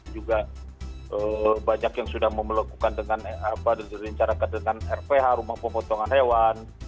juga banyak yang sudah melakukan dengan rph rumah pemotongan hewan